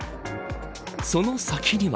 その先には。